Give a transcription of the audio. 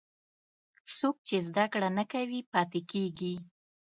څوک چې زده کړه نه کوي، پاتې کېږي.